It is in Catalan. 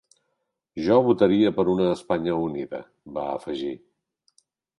Jo votaria per una Espanya unida, va afegir.